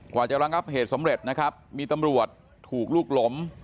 กว่าจะระงับเหตุสำเร็จนะครับมีตำรวจถูกลูกหลง